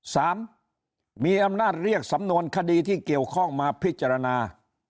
สามมีอำนาจเรียกสำนวนคดีที่เกี่ยวข้องมาพิจารณา